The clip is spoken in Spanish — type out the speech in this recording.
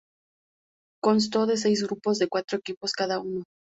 Constó de seis grupos de cuatro equipos cada uno.